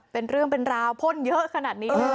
เป็นเรื่องเป็นราวพ่นเยอะขนาดนี้